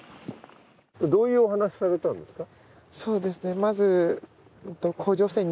どういうお話をされたんですか？